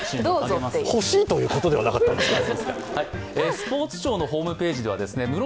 欲しいということではなかったんですけど。